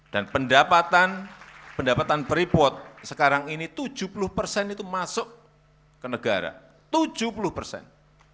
dan pendapatan breport sekarang ini tujuh puluh persen itu masuk ke negara tujuh puluh persen